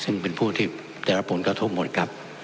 ซึ่งเป็นผู้ที่ได้รับผลกระทบหมดครับ